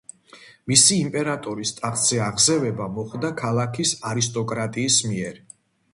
მისი იმპერატორის ტახტზე აღზევება მოხდა ქალაქის არისტოკრატიის მიერ.